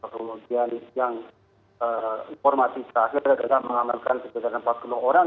kemudian yang informatif terakhir adalah mengamalkan kejadian empat puluh orang